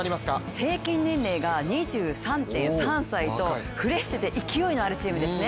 平均年齢が２３．３歳とフレッシュで勢いのあるチームですね。